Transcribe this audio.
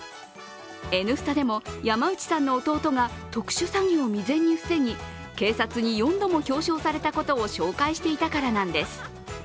「Ｎスタ」でも山内さんの弟が特殊詐欺を未然に防ぎ警察に４度も表彰されたことを紹介していたからなんです。